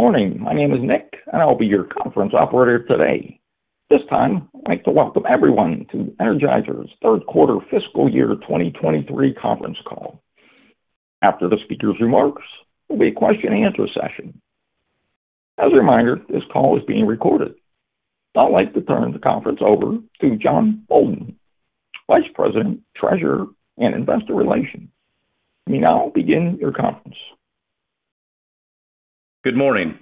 Good morning. My name is Nick, and I'll be your conference operator today. This time, I'd like to welcome everyone to Energizer's Q3 fiscal year 2023 conference call. After the speaker's remarks, there'll be a question and answer session. As a reminder, this call is being recorded. I'd like to turn the conference over to Jon Poldan, Vice President, Treasurer, and Investor Relations. We now begin your conference. Good morning,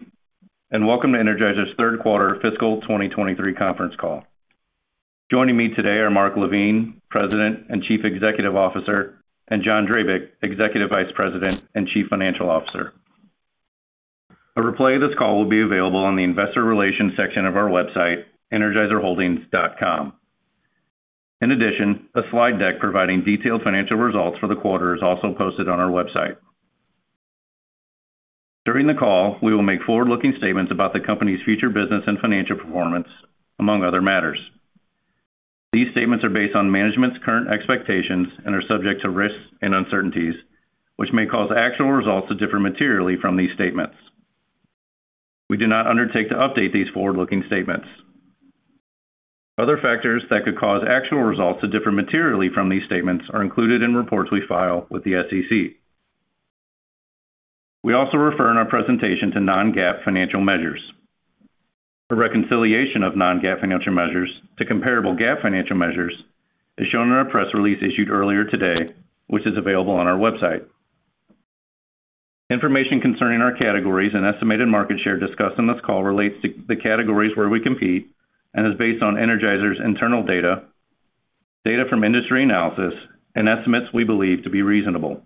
welcome to Energizer's Q3 fiscal 2023 conference call. Joining me today are Mark LaVigne, President and Chief Executive Officer, and John Drabik, Executive Vice President and Chief Financial Officer. A replay of this call will be available on the investor relations section of our website, energizerholdings.com. In addition, a slide deck providing detailed financial results for the quarter is also posted on our website. During the call, we will make forward-looking statements about the company's future business and financial performance, among other matters. These statements are based on management's current expectations and are subject to risks and uncertainties, which may cause actual results to differ materially from these statements. We do not undertake to update these forward-looking statements. Other factors that could cause actual results to differ materially from these statements are included in reports we file with the SEC. We also refer in our presentation to non-GAAP financial measures. A reconciliation of non-GAAP financial measures to comparable GAAP financial measures is shown in our press release issued earlier today, which is available on our website. Information concerning our categories and estimated market share discussed on this call relates to the categories where we compete and is based on Energizer's internal data, data from industry analysis, and estimates we believe to be reasonable.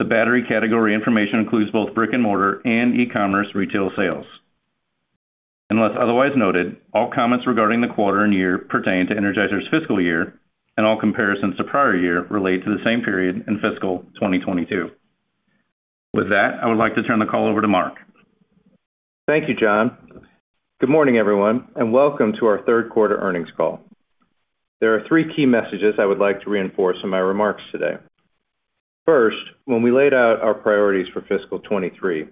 The battery category information includes both brick-and-mortar and e-commerce retail sales. Unless otherwise noted, all comments regarding the quarter and year pertain to Energizer's fiscal year, and all comparisons to prior year relate to the same period in fiscal 2022. With that, I would like to turn the call over to Mark. Thank you, John. Good morning, everyone, and welcome to our Q3earnings call. There are three key messages I would like to reinforce in my remarks today. First, when we laid out our priorities for fiscal 2023,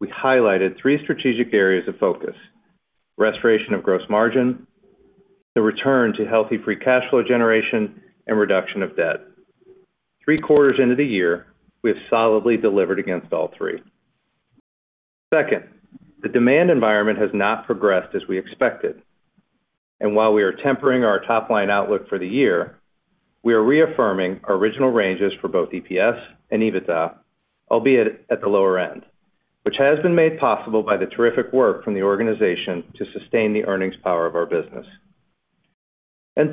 we highlighted three strategic areas of focus: restoration of gross margin, the return to healthy free cash flow generation, and reduction of debt. Q3 into the year, we have solidly delivered against all three. Second, the demand environment has not progressed as we expected, and while we are tempering our top-line outlook for the year, we are reaffirming our original ranges for both EPS and EBITDA, albeit at the lower end, which has been made possible by the terrific work from the organization to sustain the earnings power of our business.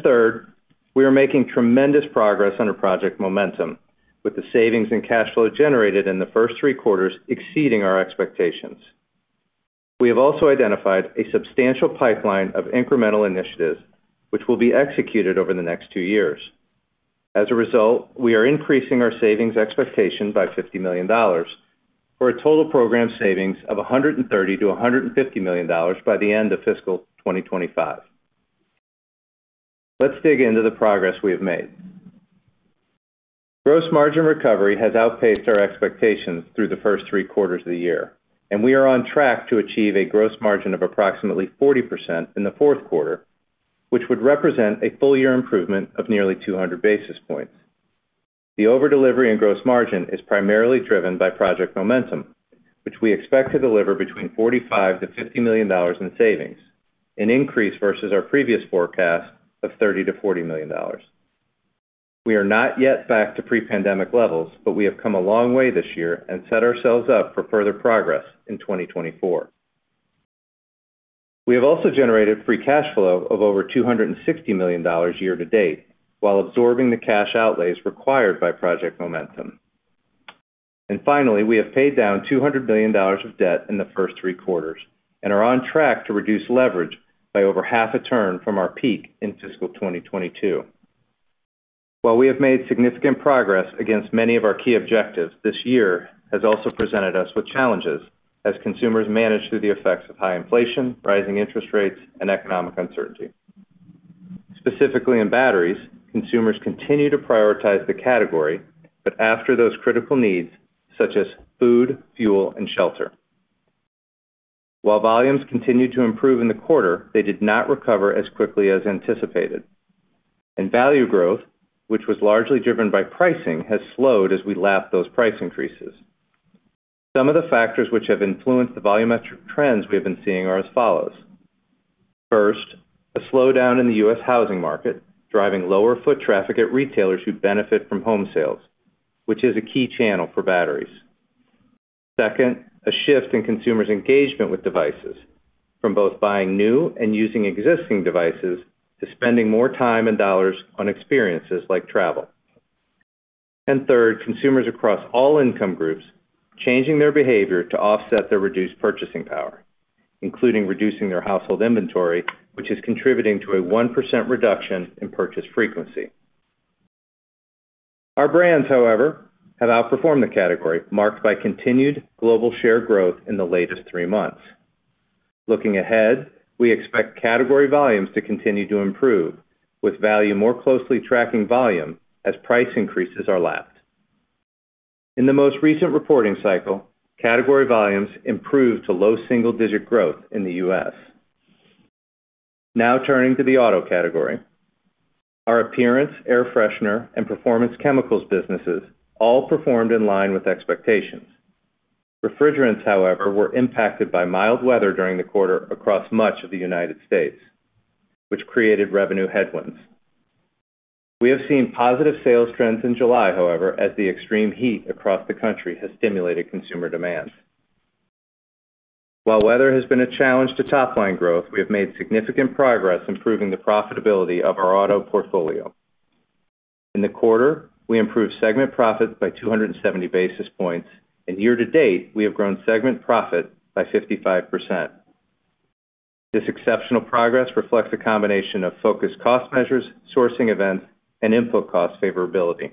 Third, we are making tremendous progress under Project Momentum, with the savings and cash flow generated in the first Q3 exceeding our expectations. We have also identified a substantial pipeline of incremental initiatives, which will be executed over the next two years. As a result, we are increasing our savings expectation by $50 million, for a total program savings of $130 million-$150 million by the end of fiscal 2025. Let's dig into the progress we have made. Gross margin recovery has outpaced our expectations through the first Q3 of the year, and we are on track to achieve a gross margin of approximately 40% in the Q4, which would represent a full year improvement of nearly 200 basis points. The over-delivery in gross margin is primarily driven by Project Momentum, which we expect to deliver between $45 million-$50 million in savings, an increase versus our previous forecast of $30 million-$40 million. We are not yet back to pre-pandemic levels, but we have come a long way this year and set ourselves up for further progress in 2024. We have also generated free cash flow of over $260 million year to date while absorbing the cash outlays required by Project Momentum. Finally, we have paid down $200 million of debt in the first Q3 and are on track to reduce leverage by over 0.5 turn from our peak in fiscal 2022. While we have made significant progress against many of our key objectives, this year has also presented us with challenges as consumers manage through the effects of high inflation, rising interest rates, and economic uncertainty. Specifically in batteries, consumers continue to prioritize the category, but after those critical needs, such as food, fuel, and shelter. While volumes continued to improve in the quarter, they did not recover as quickly as anticipated. Value growth, which was largely driven by pricing, has slowed as we lap those price increases. Some of the factors which have influenced the volumetric trends we have been seeing are as follows: First, a slowdown in the U.S. housing market, driving lower foot traffic at retailers who benefit from home sales, which is a key channel for batteries. Second, a shift in consumers' engagement with devices from both buying new and using existing devices, to spending more time and dollars on experiences like travel. Third, consumers across all income groups, changing their behavior to offset their reduced purchasing power, including reducing their household inventory, which is contributing to a 1% reduction in purchase frequency. Our` brands, however, have outperformed the category, marked by continued global share growth in the latest three months. Looking ahead, we expect category volumes to continue to improve, with value more closely tracking volume as price increases are lapped. In the most recent reporting cycle, category volumes improved to low single-digit growth in the US. Now turning to the auto category. Our appearance, air freshener, and performance chemicals businesses all performed in line with expectations. Refrigerants, however, were impacted by mild weather during the quarter across much of the United States, which created revenue headwinds. We have seen positive sales trends in July, however, as the extreme heat across the country has stimulated consumer demand. While weather has been a challenge to top line growth, we have made significant progress improving the profitability of our auto portfolio. In the quarter, we improved segment profits by 270 basis points. Year-to-date, we have grown segment profit by 55%. This exceptional progress reflects a combination of focused cost measures, sourcing events, and input cost favorability.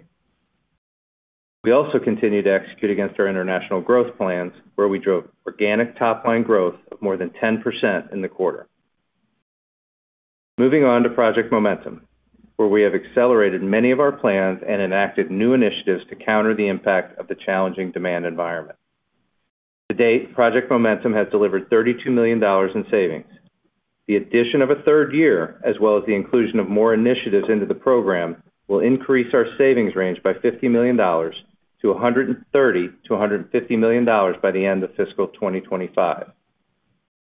We also continue to execute against our international growth plans, where we drove organic top line growth of more than 10% in the quarter. Moving on to Project Momentum, where we have accelerated many of our plans and enacted new initiatives to counter the impact of the challenging demand environment. To date, Project Momentum has delivered $32 million in savings. The addition of a third year, as well as the inclusion of more initiatives into the program, will increase our savings range by $50 million to $130 million-$150 million by the end of fiscal 2025.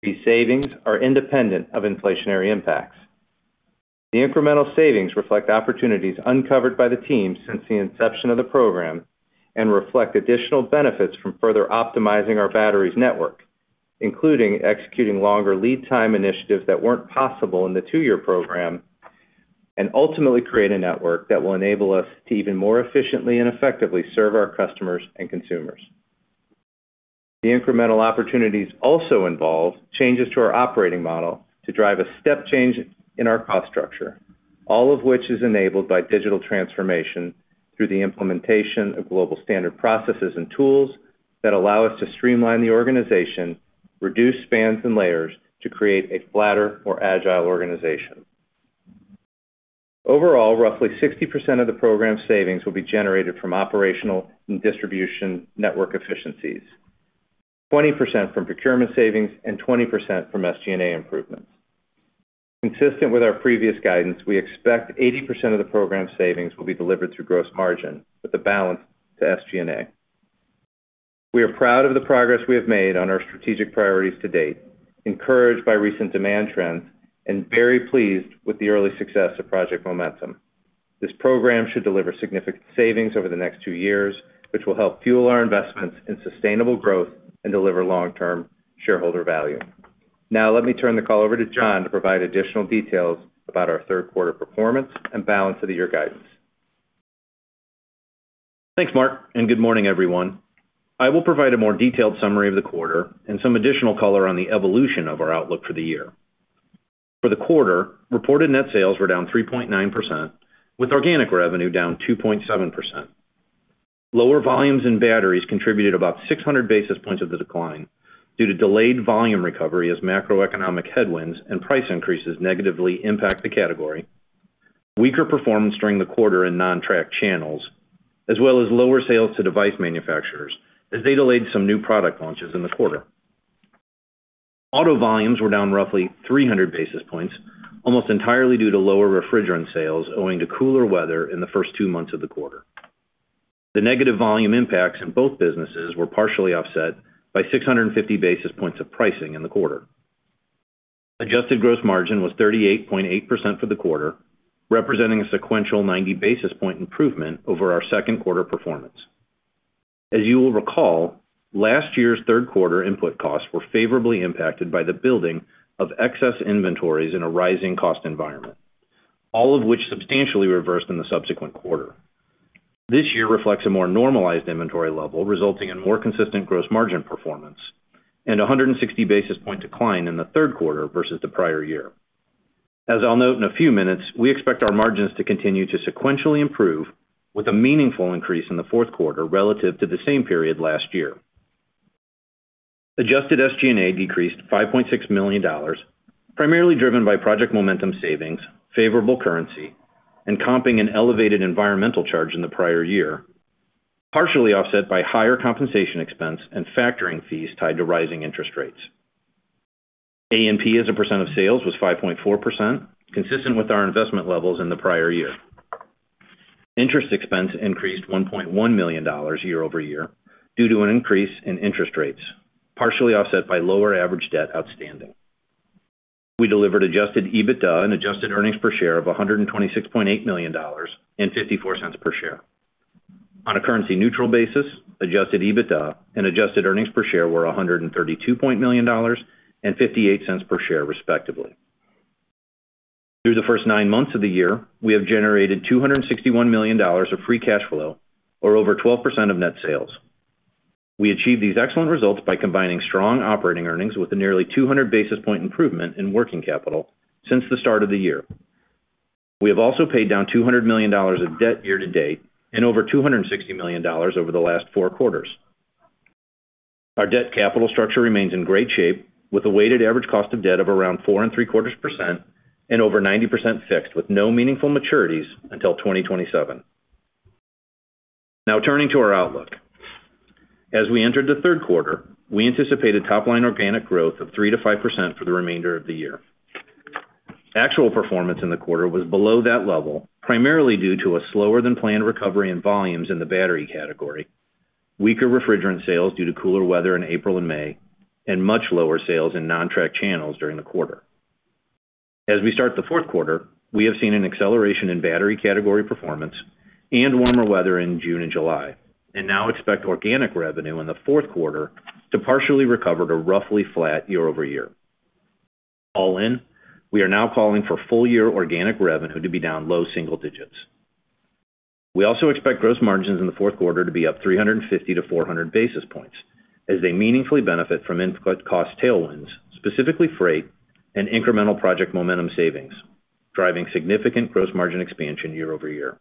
These savings are independent of inflationary impacts. The incremental savings reflect opportunities uncovered by the team since the inception of the program and reflect additional benefits from further optimizing our batteries network, including executing longer lead time initiatives that weren't possible in the two-year program, and ultimately create a network that will enable us to even more efficiently and effectively serve our customers and consumers. The incremental opportunities also involve changes to our operating model to drive a step change in our cost structure, all of which is enabled by digital transformation through the implementation of global standard processes and tools that allow us to streamline the organization, reduce spans and layers to create a flatter, more agile organization. Overall, roughly 60% of the program's savings will be generated from operational and distribution network efficiencies, 20% from procurement savings, and 20% from SG&A improvements. Consistent with our previous guidance, we expect 80% of the program's savings will be delivered through gross margin, with the balance to SG&A. We are proud of the progress we have made on our strategic priorities to date, encouraged by recent demand trends, and very pleased with the early success of Project Momentum. This program should deliver significant savings over the next 2 years, which will help fuel our investments in sustainable growth and deliver long-term shareholder value. Now, let me turn the call over to John to provide additional details about our Q3 performance and balance of the year guidance. Thanks, Mark, and good morning, everyone. I will provide a more detailed summary of the quarter and some additional color on the evolution of our outlook for the year. For the quarter, reported net sales were down 3.9%, with organic revenue down 2.7%. Lower volumes in batteries contributed about 600 basis points of the decline due to delayed volume recovery as macroeconomic headwinds and price increases negatively impact the category, weaker performance during the quarter in non-track channels, as well as lower sales to device manufacturers as they delayed some new product launches in the quarter. Auto volumes were down roughly 300 basis points, almost entirely due to lower refrigerant sales, owing to cooler weather in the first two months of the quarter. The negative volume impacts in both businesses were partially offset by 650 basis points of pricing in the quarter. Adjusted gross margin was 38.8% for the quarter, representing a sequential 90 basis point improvement over our Q2 performance. As you will recall, last year's Q3 input costs were favorably impacted by the building of excess inventories in a rising cost environment, all of which substantially reversed in the subsequent quarter. This year reflects a more normalized inventory level, resulting in more consistent gross margin performance and 160 basis point decline in the Q3 versus the prior year. As I'll note in a few minutes, we expect our margins to continue to sequentially improve with a meaningful increase in the Q4 relative to the same period last year. Adjusted SG&A decreased $5.6 million, primarily driven by Project Momentum savings, favorable currency, and comping an elevated environmental charge in the prior year, partially offset by higher compensation expense and factoring fees tied to rising interest rates. A&P, as a percent of sales, was 5.4%, consistent with our investment levels in the prior year. Interest expense increased $1.1 million year-over-year due to an increase in interest rates, partially offset by lower average debt outstanding. We delivered adjusted EBITDA and adjusted earnings per share of $126.8 million and $0.54 per share. On a currency-neutral basis, adjusted EBITDA and adjusted earnings per share were $132.0 million and $0.58 per share, respectively. Through the first nine months of the year, we have generated $261 million of free cash flow, or over 12% of net sales. We achieved these excellent results by combining strong operating earnings with a nearly 200 basis point improvement in working capital since the start of the year. We have also paid down $200 million of debt year to date and over $260 million over the last Q4. Our debt capital structure remains in great shape, with a weighted average cost of debt of around 4.75% and over 90% fixed, with no meaningful maturities until 2027. Turning to our outlook. As we entered the Q3, we anticipated top line organic growth of 3%-5% for the remainder of the year. Actual performance in the quarter was below that level, primarily due to a slower than planned recovery in volumes in the battery category, weaker refrigerant sales due to cooler weather in April and May, and much lower sales in non-track channels during the quarter. As we start the Q4, we have seen an acceleration in battery category performance and warmer weather in June and July, and now expect organic revenue in the to partially recover to roughly flat year-over-year. All in, we are now calling for full year organic revenue to be down low single digits. We also expect gross margins in the Q4 to be up 350-400 basis points, as they meaningfully benefit from input cost tailwinds, specifically freight and incremental Project Momentum savings, driving significant gross margin expansion year-over-year.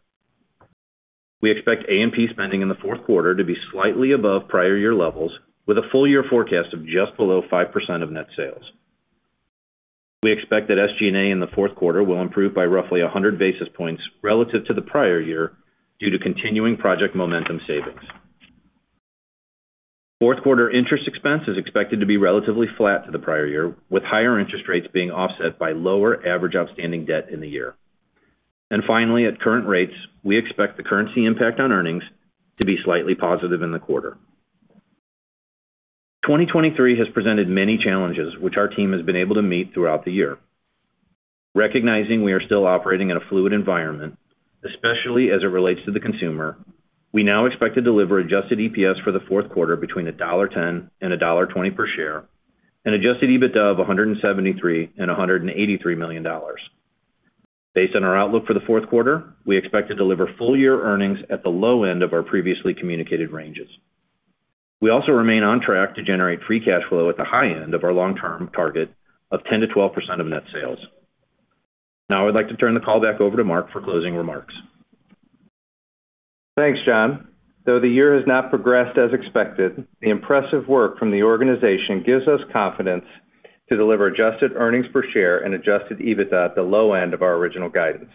We expect A&P spending in the Q4 to be slightly above prior year levels, with a full year forecast of just below 5% of net sales. We expect that SG&A in the Q4 will improve by roughly 100 basis points relative to the prior year, due to continuing Project Momentum savings. Q4 interest expense is expected to be relatively flat to the prior year, with higher interest rates being offset by lower average outstanding debt in the year. Finally, at current rates, we expect the currency impact on earnings to be slightly positive in the quarter. 2023 has presented many challenges, which our team has been able to meet throughout the year. Recognizing we are still operating in a fluid environment, especially as it relates to the consumer, we now expect to deliver adjusted EPS for the Q4 between $1.10 and $1.20 per share, and adjusted EBITDA of $173 million and $183 million. Based on our outlook for the Q4, we expect to deliver full year earnings at the low end of our previously communicated ranges. We also remain on track to generate free cash flow at the high end of our long-term target of 10%-12% of net sales. Now I would like to turn the call back over to Mark for closing remarks. Thanks, John. Though the year has not progressed as expected, the impressive work from the organization gives us confidence to deliver adjusted earnings per share and adjusted EBITDA at the low end of our original guidance.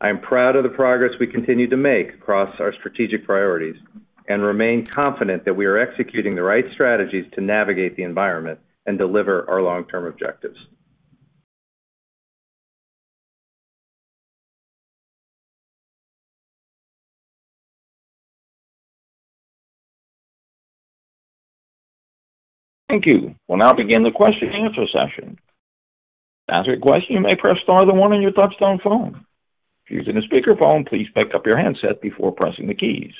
I am proud of the progress we continue to make across our strategic priorities and remain confident that we are executing the right strategies to navigate the environment and deliver our long-term objectives. Thank you. We'll now begin the question and answer session. To ask a question, you may press star then 1 on your touchtone phone. If you're using a speakerphone, please pick up your handset before pressing the keys.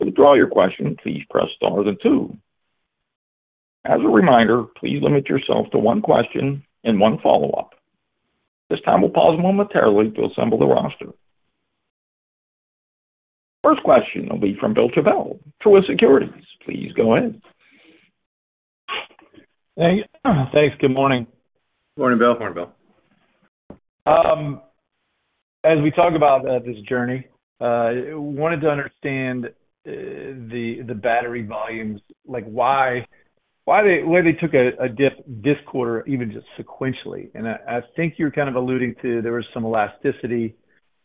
To withdraw your question, please press star then 2. As a reminder, please limit yourself to 1 question and 1 follow-up. This time, we'll pause momentarily to assemble the roster. First question will be from Bill Chappell, Truist Securities. Please go ahead. Thanks. Thanks. Good morning. Morning, Bill. Morning, Bill. As we talk about this journey, I wanted to understand the battery volumes. Like, why they took a dip this quarter, even just sequentially? I think you're kind of alluding to there was some elasticity,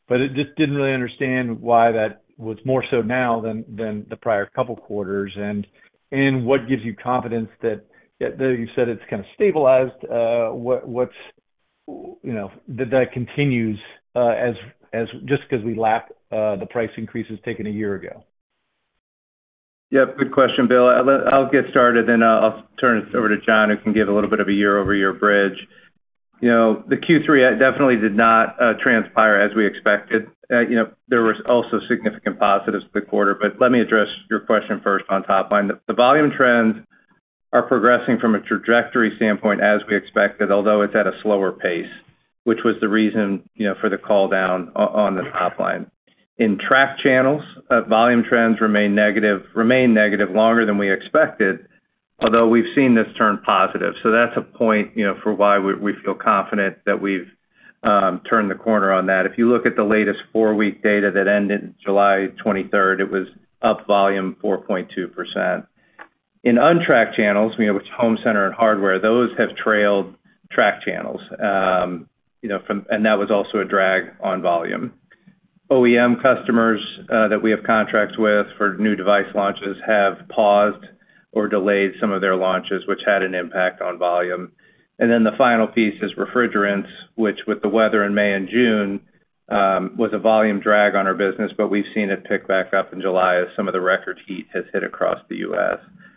but I just didn't really understand why that was more so now than the prior couple quarters. What gives you confidence that you said it's kind of stabilized, what's... You know, that continues, as just because we lap the price increases taken a year ago? Yeah, good question, Bill. I'll get started, then I'll turn it over to John, who can give a little bit of a year-over-year bridge. You know, the Q3 definitely did not transpire as we expected. You know, there was also significant positives to the quarter. Let me address your question first on top line. The volume trends are progressing from a trajectory standpoint as we expected, although it's at a slower pace, which was the reason, you know, for the call down on the top line. In track channels, volume trends remain negative longer than we expected, although we've seen this turn positive. That's a point, you know, for why we feel confident that we've turned the corner on that. If you look at the latest four-week data that ended July twenty-third, it was up volume 4.2%. In untracked channels, you know, which is home center and hardware, those have trailed track channels. You know, that was also a drag on volume. OEM customers that we have contracts with for new device launches have paused or delayed some of their launches, which had an impact on volume. The final piece is refrigerants, which with the weather in May and June, was a volume drag on our business, but we've seen it pick back up in July as some of the record heat has hit across the US. You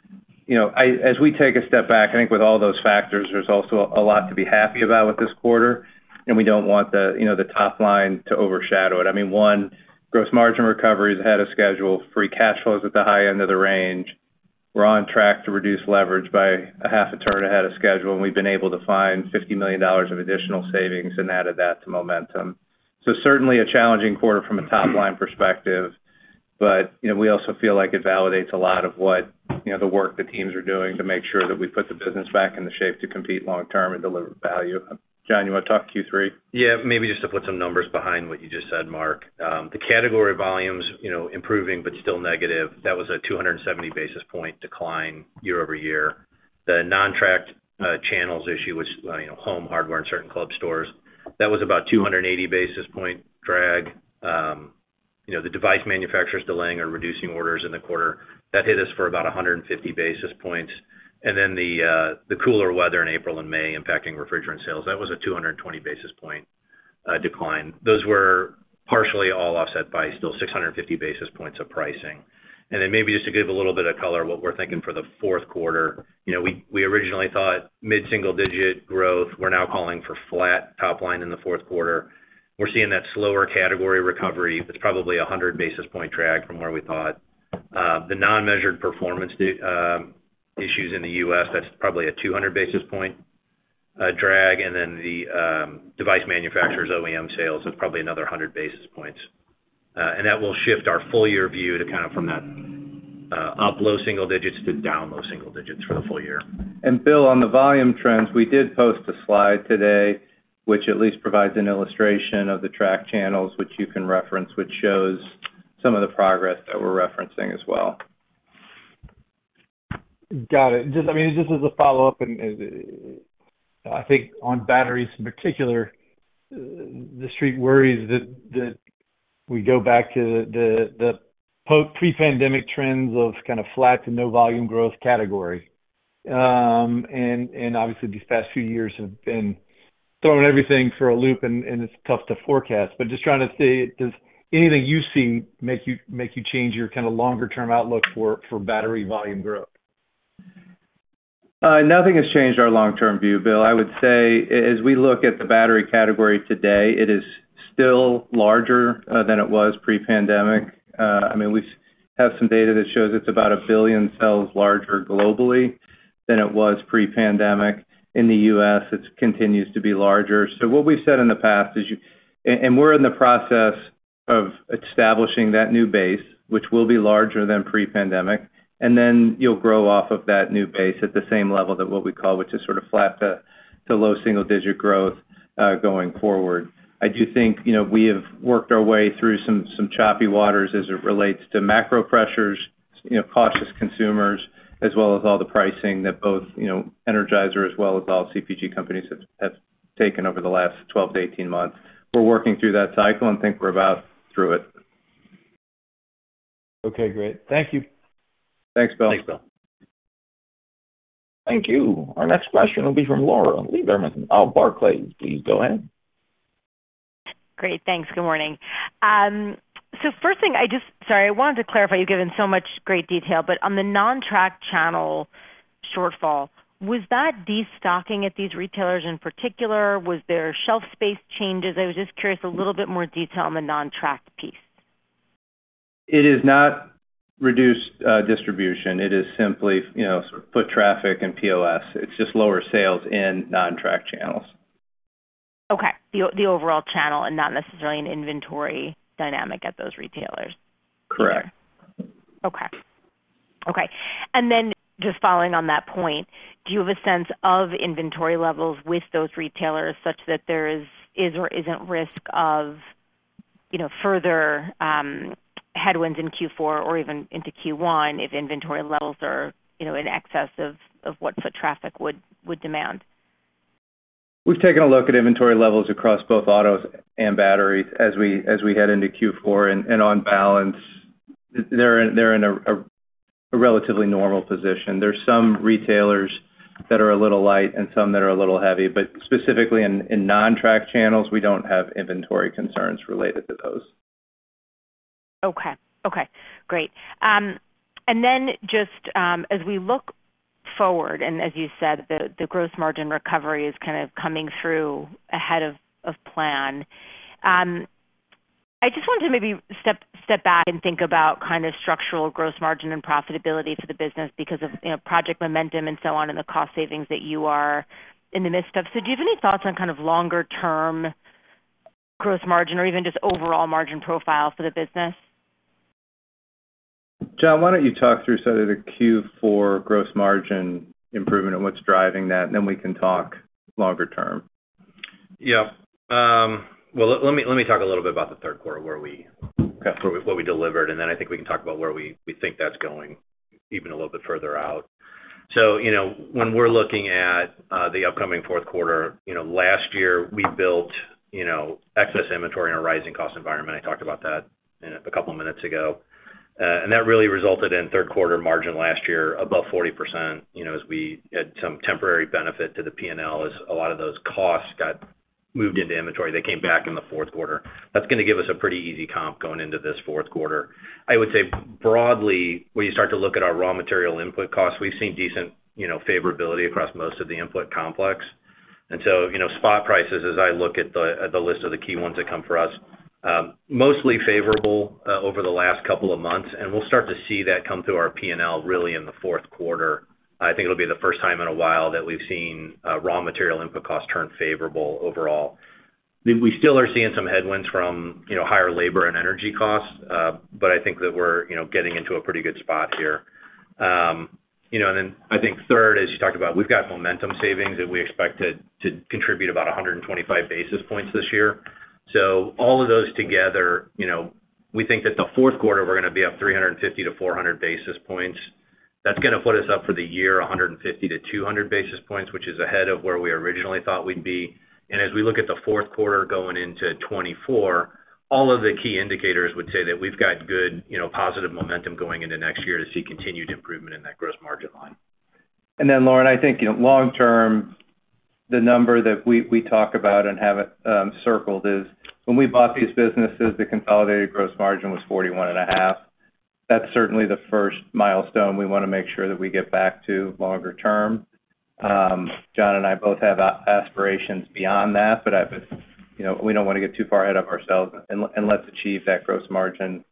know, as we take a step back, I think with all those factors, there's also a lot to be happy about with this quarter, and we don't want the, you know, the top line to overshadow it. I mean, one, gross margin recovery is ahead of schedule. Free cash flow is at the high end of the range. We're on track to reduce leverage by a 0.5 turn ahead of schedule, and we've been able to find $50 million of additional savings and added that to Project Momentum. Certainly a challenging quarter from a top line perspective. You know, we also feel like it validates a lot of what, you know, the work the teams are doing to make sure that we put the business back in the shape to compete long term and deliver value. John, you wanna talk Q3? Yeah, maybe just to put some numbers behind what you just said, Mark. The category volume's, you know, improving, but still negative. That was a 270 basis point decline year-over-year. The non-tracked channels issue, which, you know, home, hardware, and certain club stores, that was about 280 basis point drag. You know, the device manufacturers delaying or reducing orders in the quarter, that hit us for about 150 basis points. The cooler weather in April and May impacting refrigerant sales, that was a 220 basis point decline. Those were partially all offset by still 650 basis points of pricing. Maybe just to give a little bit of color, what we're thinking for the Q4, you know, we, we originally thought mid-single digit growth. We're now calling for flat top line in the Q4. We're seeing that slower category recovery. It's probably a 100 basis point drag from where we thought. The non-measured performance issues in the US, that's probably a 200 basis point drag. The device manufacturers OEM sales is probably another 100 basis points. That will shift our full year view to kind of from that up low single digits to down low single digits for the full year. Bill, on the volume trends, we did post a slide today, which at least provides an illustration of the track channels, which you can reference, which shows some of the progress that we're referencing as well. Got it. Just, I mean, just as a follow-up, and, and I think on batteries, in particular, the Street worries that, that we go back to the, the post pre-pandemic trends of kind of flat to no volume growth category. Obviously, these past few years have been throwing everything for a loop, and, and it's tough to forecast, but just trying to see, does anything you see make you, make you change your kind of longer-term outlook for, for battery volume growth? Nothing has changed our long-term view, Bill. I would say, as we look at the battery category today, it is still larger than it was pre-pandemic. I mean, we have some data that shows it's about 1 billion cells larger globally than it was pre-pandemic. In the US, it continues to be larger. What we've said in the past is you, we're in the process of establishing that new base, which will be larger than pre-pandemic, and then you'll grow off of that new base at the same level that what we call, which is sort of flat to low single-digit growth going forward. I do think, you know, we have worked our way through some, some choppy waters as it relates to macro pressures, you know, cautious consumers, as well as all the pricing that both, you know, Energizer, as well as all CPG companies have, have taken over the last 12-18 months. We're working through that cycle and think we're about through it. Okay, great. Thank you. Thanks, Bill. Thanks, Bill. Thank you. Our next question will be from Lauren Lieberman, Barclays. Please go ahead. Great. Thanks. Good morning. First thing, Sorry, I wanted to clarify, you've given so much great detail, but on the non-tracked channel shortfall, was that destocking at these retailers in particular? Was there shelf space changes? I was just curious, a little bit more detail on the non-tracked piece. It is not reduced, distribution. It is simply, you know, sort of foot traffic and POS. It's just lower sales in non-tracked channels. Okay. The overall channel and not necessarily an inventory dynamic at those retailers? Correct. Okay. Okay. Just following on that point, do you have a sense of inventory levels with those retailers such that there is, is or isn't risk of, you know, further headwinds in Q4 or even into Q1, if inventory levels are, you know, in excess of what foot traffic would demand? We've taken a look at inventory levels across both autos and batteries as we head into Q4, and on balance, they're in a relatively normal position. There's some retailers that are a little light and some that are a little heavy, but specifically in non-tracked channels, we don't have inventory concerns related to those. Okay. Okay, great. Then just, as we look forward, and as you said, the, the gross margin recovery is kind of coming through ahead of, of plan. I just wanted to maybe step, step back and think about kind of structural gross margin and profitability for the business because of, you know, Project Momentum and so on, and the cost savings that you are in the midst of. Do you have any thoughts on kind of longer-term gross margin or even just overall margin profile for the business? John, why don't you talk through sort of the Q4 gross margin improvement and what's driving that, and then we can talk longer term. Yeah. Well, let me, let me talk a little bit about the Q3, where we, kind of what we delivered, and then I think we can talk about where we, we think that's going even a little bit further out. You know, when we're looking at the upcoming Q4, you know, last year, we built, you know, excess inventory in a rising cost environment. I talked about that a couple of minutes ago. That really resulted in Q3 margin last year, above 40%, you know, as we had some temporary benefit to the P&L, as a lot of those costs got moved into inventory, they came back in the Q4. That's gonna give us a pretty easy comp going into this Q4. I would say broadly, when you start to look at our raw material input costs, we've seen decent, you know, favorability across most of the input complex. So, you know, spot prices, as I look at the, at the list of the key ones that come for us, mostly favorable, over the last couple of months, and we'll start to see that come through our P&L really in the Q4. I think it'll be the first time in a while that we've seen raw material input costs turn favorable overall.... We, we still are seeing some headwinds from, you know, higher labor and energy costs, but I think that we're, you know, getting into a pretty good spot here. You know, I think third, as you talked about, we've got momentum savings that we expect to, to contribute about 125 basis points this year. All of those together, you know, we think that the Q4, we're gonna be up 350-400 basis points. That's gonna put us up for the year, 150-200 basis points, which is ahead of where we originally thought we'd be. As we look at the Q4 going into 2024, all of the key indicators would say that we've got good, you know, positive momentum going into next year to see continued improvement in that gross margin line. Then, Lauren Lieberman, I think, you know, long term, the number that we, we talk about and have it circled is when we bought these businesses, the consolidated gross margin was 41.5%. That's certainly the first milestone we wanna make sure that we get back to longer term. John Drabik and I both have aspirations beyond that, but I've, you know, we don't wanna get too far ahead of ourselves, and, and let's achieve that gross margin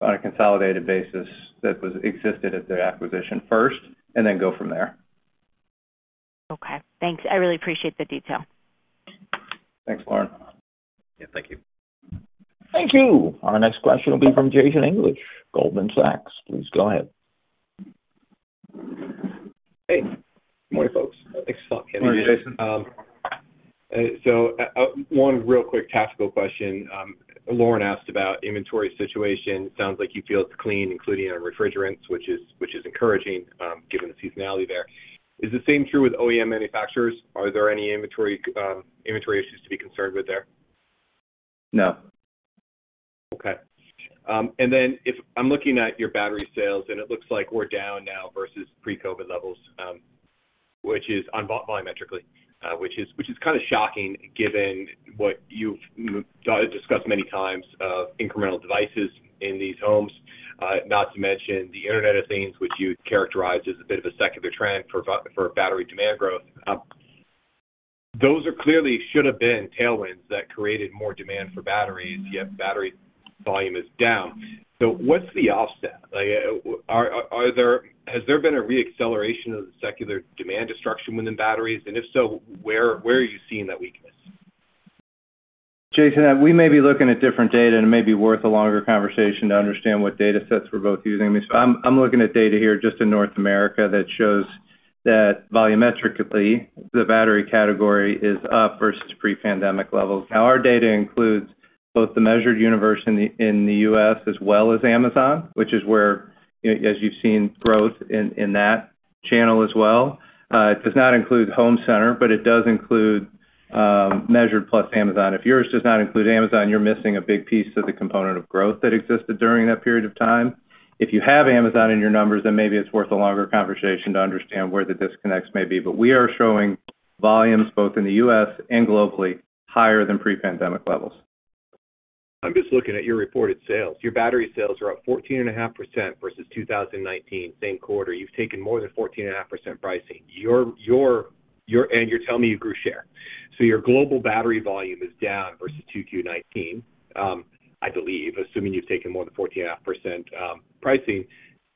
on a consolidated basis that was existed at the acquisition first, and then go from there. Okay, thanks. I really appreciate the detail. Thanks, Lauren. Yeah, thank you. Thank you. Our next question will be from Jason English, Goldman Sachs. Please go ahead. Hey. Good morning, folks. Thanks for taking this. Good morning, Jason. 1 real quick tactical question. Lauren asked about inventory situation. Sounds like you feel it's clean, including on refrigerants, which is, which is encouraging, given the seasonality there. Is the same true with OEM manufacturers? Are there any inventory, inventory issues to be concerned with there? No. Okay. Then if I'm looking at your battery sales, and it looks like we're down now versus pre-COVID levels, which is volumetrically, which is, which is kinda shocking, given what you've discussed many times, of incremental devices in these homes, not to mention the Internet of Things, which you characterized as a bit of a secular trend for battery demand growth. Those are clearly should have been tailwinds that created more demand for batteries, yet battery volume is down. What's the offset? Like, has there been a reacceleration of the secular demand destruction within batteries? If so, where, where are you seeing that weakness? Jason, we may be looking at different data. It may be worth a longer conversation to understand what data sets we're both using. I'm looking at data here just in North America that shows that volumetrically, the battery category is up versus pre-pandemic levels. Our data includes both the measured universe in the US as well as Amazon, which is where, as you've seen, growth in that channel as well. It does not include Home Center, it does include Measured plus Amazon. If yours does not include Amazon, you're missing a big piece of the component of growth that existed during that period of time. If you have Amazon in your numbers, maybe it's worth a longer conversation to understand where the disconnects may be. We are showing volumes both in the US and globally, higher than pre-pandemic levels. I'm just looking at your reported sales. Your battery sales are up 14.5% versus 2019, same quarter. You've taken more than 14.5% pricing. You're telling me you grew share. Your global battery volume is down versus 2Q 2019, I believe, assuming you've taken more than 14.5% pricing,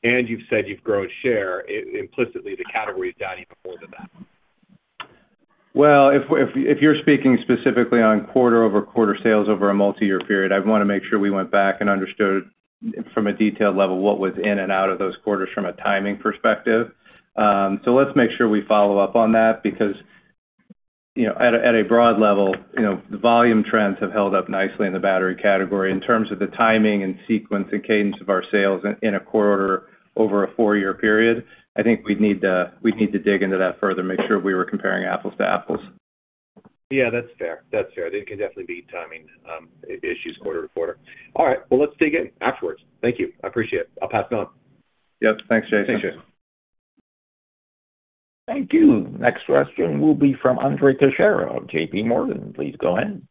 and you've said you've grown share, implicitly, the category is down even more than that. Well, if you're speaking specifically on quarter-over-quarter sales over a multi-year period, I'd wanna make sure we went back and understood from a detailed level what was in and out of those quarters from a timing perspective. Let's make sure we follow up on that, because, you know, at a broad level, you know, the volume trends have held up nicely in the battery category. In terms of the timing and sequence and cadence of our sales in a quarter over a four-year period, I think we'd need to dig into that further, make sure we were comparing apples to apples. Yeah, that's fair. That's fair. There can definitely be timing, issues quarter - quarter. All right, well, let's dig in afterwards. Thank you. I appreciate it. I'll pass it on. Yep. Thanks, Jason. Thanks, Jason. Thank you. Next question will be from Andrea Teixeira of JPMorgan. Please go ahead.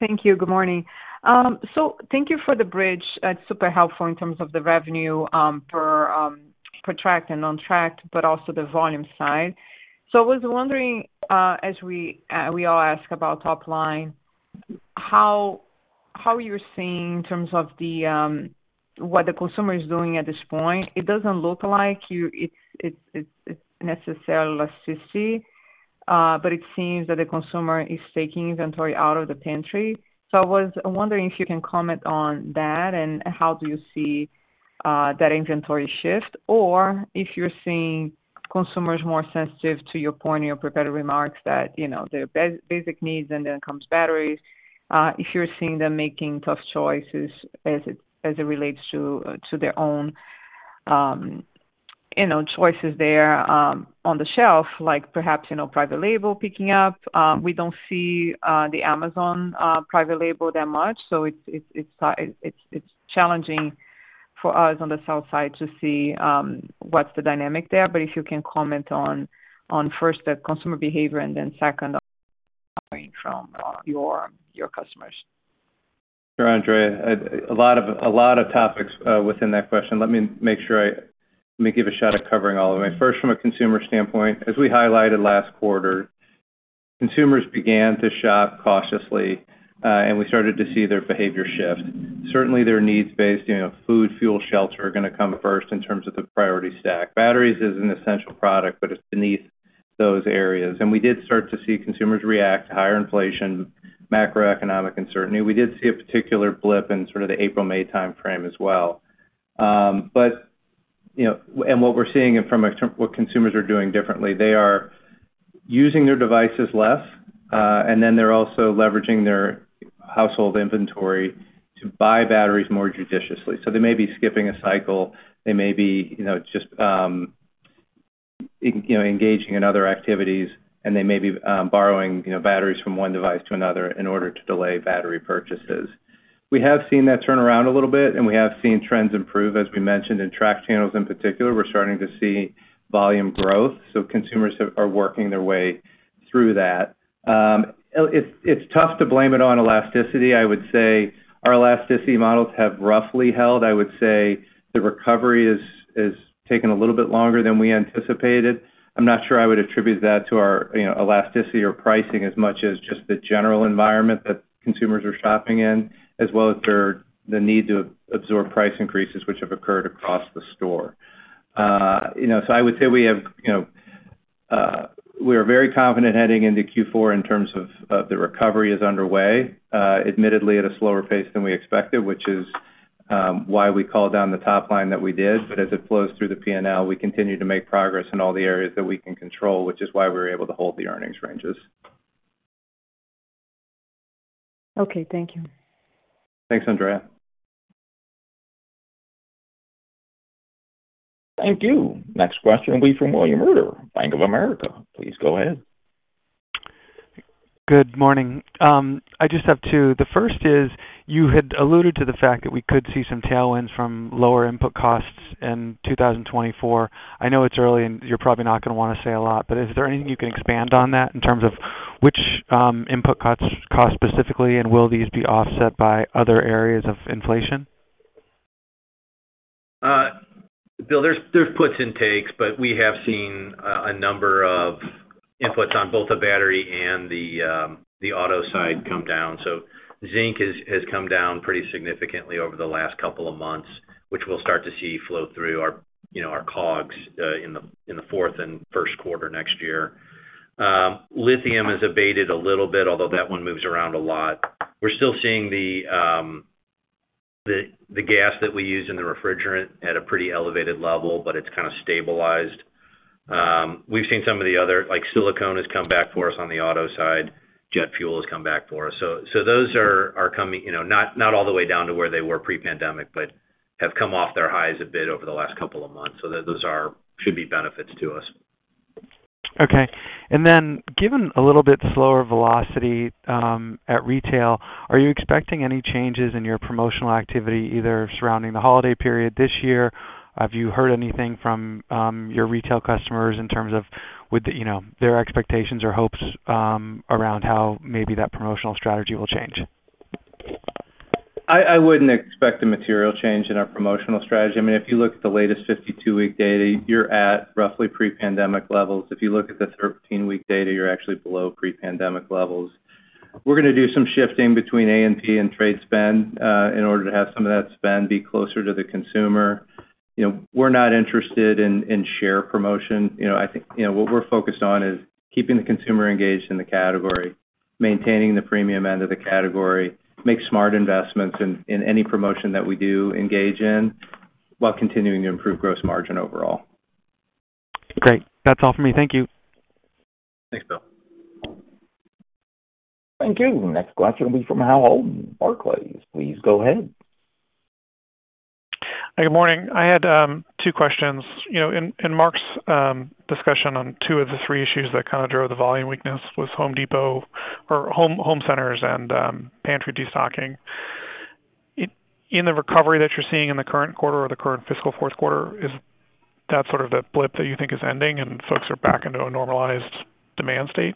Thank you. Good morning. Thank you for the bridge. That's super helpful in terms of the revenue for track and on track, but also the volume side. I was wondering, as we, we all ask about top line, how, how you're seeing in terms of what the consumer is doing at this point? It doesn't look like it's, it's, it's necessarily less to see, but it seems that the consumer is taking inventory out of the pantry. I was wondering if you can comment on that, and how do you see that inventory shift? If you're seeing consumers more sensitive to your point in your prepared remarks that, you know, their basic needs, and then comes batteries, if you're seeing them making tough choices as it, as it relates to their own, you know, choices there, on the shelf, like perhaps, you know, private label picking up. We don't see the Amazon private label that much, so it's, it's, it's, it's, it's challenging for us on the south side to see what's the dynamic there. If you can comment on, on first, the consumer behavior, and then second, on from your, your customers? Sure, Andrea. A lot of, a lot of topics within that question. Let me make sure I let me give a shot at covering all of them. First, from a consumer standpoint, as we highlighted last quarter, consumers began to shop cautiously, and we started to see their behavior shift. Certainly, their needs based, you know, food, fuel, shelter, are gonna come first in terms of the priority stack. Batteries is an essential product, but it's beneath those areas. We did start to see consumers react to higher inflation, macroeconomic uncertainty. We did see a particular blip in sort of the April-May timeframe as well. You know, and what we're seeing from a what consumers are doing differently, they are using their devices less, and then they're also leveraging their household inventory to buy batteries more judiciously. They may be skipping a cycle, they may be, you know, just, you know, engaging in other activities, and they may be, borrowing, you know, batteries from one device to another in order to delay battery purchases. We have seen that turn around a little bit, and we have seen trends improve. As we mentioned, in track channels in particular, we're starting to see volume growth, so consumers are working their way through that. It, it's, it's tough to blame it on elasticity. I would say our elasticity models have roughly held. I would say the recovery is, is taking a little bit longer than we anticipated. I'm not sure I would attribute that to our, you know, elasticity or pricing, as much as just the general environment that consumers are shopping in, as well as their, the need to absorb price increases, which have occurred across the store. You know, so I would say we have, you know, we are very confident heading into Q4 in terms of, of the recovery is underway, admittedly, at a slower pace than we expected, which is, why we called down the top line that we did. As it flows through the PNL, we continue to make progress in all the areas that we can control, which is why we were able to hold the earnings ranges. Okay, thank you. Thanks, Andrea. Thank you. Next question will be from William Reuter, Bank of America. Please go ahead. Good morning. I just have two. The first is, you had alluded to the fact that we could see some tailwinds from lower input costs in 2024. I know it's early, and you're probably not gonna wanna say a lot, but is there anything you can expand on that in terms of which, input costs, costs specifically, and will these be offset by other areas of inflation? Bill, there's, there's puts and takes, but we have seen a number of inputs on both the battery and the auto side come down. Zinc has, has come down pretty significantly over the last couple of months, which we'll start to see flow through our, you know, our COGS in the Q4 and Q1 next year. Lithium has abated a little bit, although that one moves around a lot. We're still seeing the, the gas that we use in the refrigerant at a pretty elevated level, but it's kind of stabilized. We've seen some of the other, like silicone has come back for us on the auto side. Jet fuel has come back for us. Those are, are coming, you know, not, not all the way down to where they were pre-pandemic, but have come off their highs a bit over the last couple of months. Those are, should be benefits to us. Okay. Given a little bit slower velocity at retail, are you expecting any changes in your promotional activity, either surrounding the holiday period this year? Have you heard anything from your retail customers in terms of would the, you know, their expectations or hopes around how maybe that promotional strategy will change? I wouldn't expect a material change in our promotional strategy. I mean, if you look at the latest 52-week data, you're at roughly pre-pandemic levels. If you look at the 13-week data, you're actually below pre-pandemic levels. We're gonna do some shifting between A&P and trade spend, in order to have some of that spend be closer to the consumer. You know, we're not interested in, in share promotion. You know, I think, you know, what we're focused on is keeping the consumer engaged in the category, maintaining the premium end of the category, make smart investments in, in any promotion that we do engage in, while continuing to improve gross margin overall. Great. That's all for me. Thank you. Thanks, Bill. Thank you. Next question will be from Hale Holden, Barclays. Please go ahead. Good morning. I had two questions. You know, in Mark's discussion on two of the three issues that kind of drove the volume weakness was Home Depot or home centers and pantry destocking. In the recovery that you're seeing in the current quarter or the current fiscal Q4, is that sort of the blip that you think is ending and folks are back into a normalized demand state?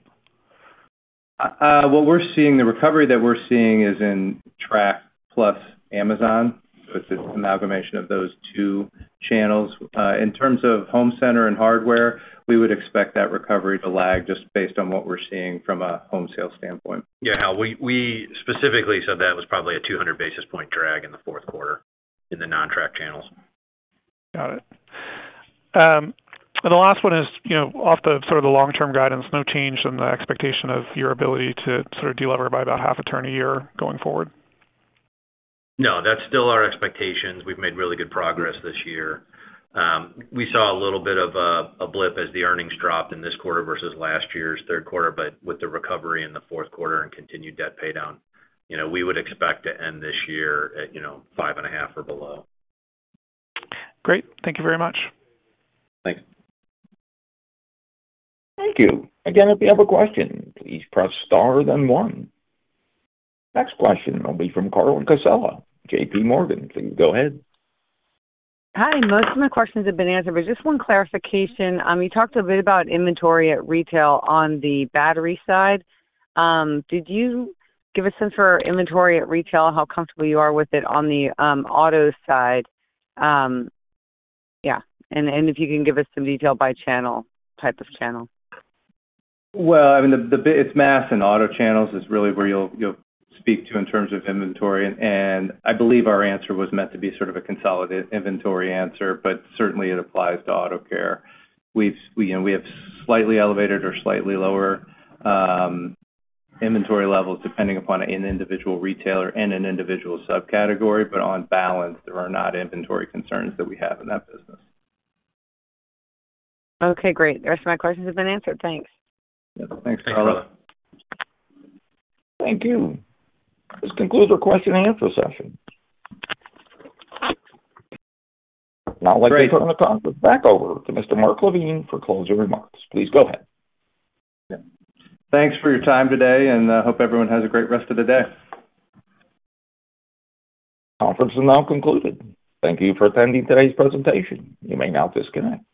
What we're seeing, the recovery that we're seeing is in track plus Amazon. It's an amalgamation of those two channels. In terms of home center and hardware, we would expect that recovery to lag, just based on what we're seeing from a home sales standpoint. Yeah, Hal, we, we specifically said that was probably a 200 basis point drag in the Q4 in the non-track channels. Got it. The last one is, you know, off the sort of the long-term guidance, no change in the expectation of your ability to sort of delever by about half a turn a year going forward? No, that's still our expectations. We've made really good progress this year. We saw a little bit of a, a blip as the earnings dropped in this quarter versus last year's Q3, but with the recovery in the Q4 and continued debt paydown, you know, we would expect to end this year at, you know, 5.5 or below. Great. Thank you very much. Thanks. Thank you. Again, if you have a question, please press star then one. Next question will be from Carla Casella, JP Morgan. Please go ahead. Hi, most of my questions have been answered, but just one clarification. You talked a bit about inventory at retail on the battery side. Did you give a sense for our inventory at retail, how comfortable you are with it on the auto side? Yeah, and if you can give us some detail by channel, type of channel? Well, I mean, It's mass and auto channels is really where you'll, you'll speak to in terms of inventory, and I believe our answer was meant to be sort of a consolidated inventory answer, but certainly it applies to auto care. We've, you know, we have slightly elevated or slightly lower inventory levels, depending upon an individual retailer and an individual subcategory, but on balance, there are not inventory concerns that we have in that business. Okay, great. The rest of my questions have been answered. Thanks. Thanks, Carla. Thank you. This concludes our question and answer session. Let me turn the conference back over to Mr. Mark LaVigne for closing remarks. Please go ahead. Thanks for your time today, and hope everyone has a great rest of the day. Conference is now concluded. Thank you for attending today's presentation. You may now disconnect.